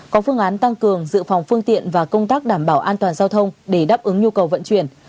có phương án tăng cường dự phòng phương tiện và công tác đảm bảo an toàn giao thông để đáp ứng nhu cầu vận chuyển